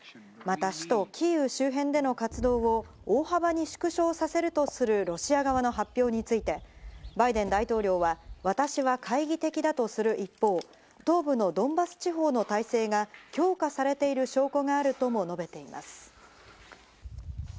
また首都キーウ周辺での活動を大幅に縮小させるとするロシア側の発表について、バイデン大統領は私は懐疑的だとする一方、東部のドンバス地方の態勢が強化されている証拠があるとも述べています。